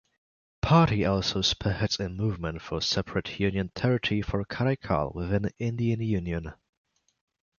Party also spearheads a movement for separate Union Territory for Karaikal within Indian Union.